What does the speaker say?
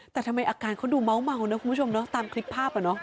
แต่ทำไมอาการเขาดูเมานะคุณผู้ชมตามคลิปภาพ